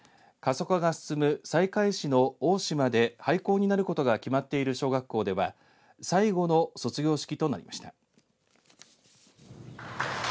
過疎化が進む西海市の大島で廃校になることが決まっている小学校では最後の卒業式となりました。